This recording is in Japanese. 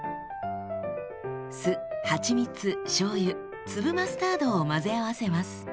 酢はちみつしょうゆ粒マスタードを混ぜ合わせます。